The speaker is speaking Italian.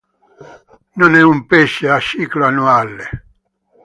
Non è un pesce a ciclo annuale.